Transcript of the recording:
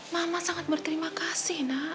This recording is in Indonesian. mama sangat berterima kasih nak